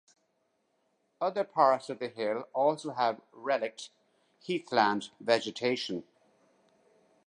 Other parts of the hill also have relict heathland vegetation.